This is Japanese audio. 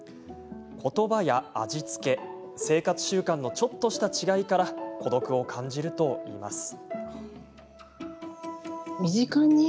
言葉や味付け生活習慣のちょっとした違いから孤独を感じるといいます。